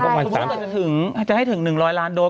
อาจจะให้ถึง๑๐๐ล้านโดส